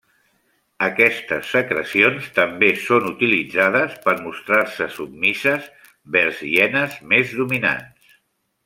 Aquestes secrecions també són utilitzades per mostrar-se submises vers hienes més dominants.